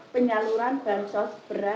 penyaluran bahan sos berat